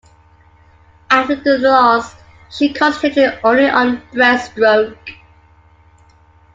After the loss, she concentrated only on breast stroke.